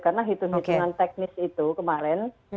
karena hitungan teknis itu kemarin